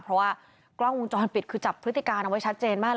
เพราะว่ากล้องวงจรปิดคือจับพฤติการเอาไว้ชัดเจนมาก